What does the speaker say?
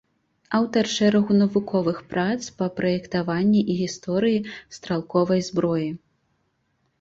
Аўтар шэрагу навуковых прац па праектаванні і гісторыі стралковай зброі.